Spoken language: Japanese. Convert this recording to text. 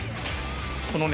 このね